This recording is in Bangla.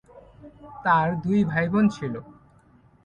তার দুই ভাইবোন ছিল।